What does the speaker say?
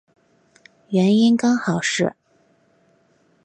原因刚好是